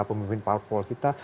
pemimpin parpol kita